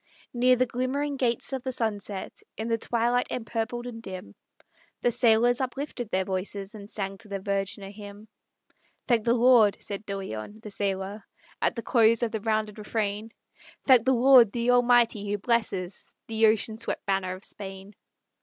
Near the glimmering gates of the sunset, In the twilight empurpled and dim, The sailors uplifted their voices, And sang to the Virgin a hymn. "Thank the Lord!" said De Leon, the sailor, At the close of the rounded refrain; "Thank the Lord, the Almighty, who blesses The ocean swept banner of Spain!